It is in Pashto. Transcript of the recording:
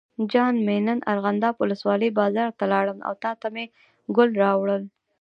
جان مې نن ارغنداب ولسوالۍ بازار ته لاړم او تاته مې ګل راوړل.